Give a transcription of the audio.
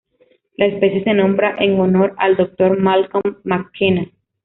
La especie se nombra en honor al Dr. Malcolm McKenna.